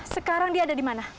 sekarang dia ada dimana